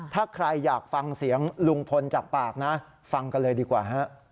ถ้าใครอยากฟังเสียงลุงพลจากปากนะฟังกันเลยดีกว่าฮะ